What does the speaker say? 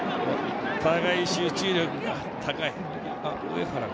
お互い集中力が高い。